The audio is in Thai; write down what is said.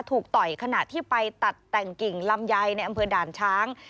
ต่อยขณะที่ไปตัดแต่งกิ่งลำไยในอำเภอด่านช้าง